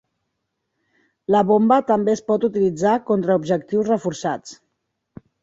La bomba també es pot utilitzar contra objectius reforçats.